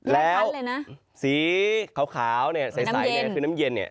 แล้วสีขาวใสนี่คือน้ำเย็น